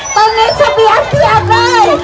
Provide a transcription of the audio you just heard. ตอนนี้สะเบียดเสียบเลย